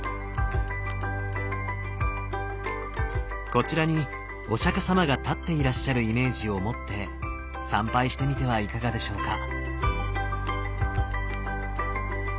こちらにお釈様が立っていらっしゃるイメージを持って参拝してみてはいかがでしょうか。